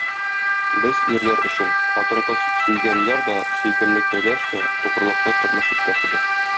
Без, ирләр өчен, хатын-кыз - сөйгән яр да, сөйкемле кәләш тә, тугрылыклы тормыш иптәше дә.